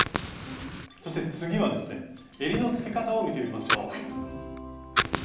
そして次はですねえりのつけ方を見てみましょう。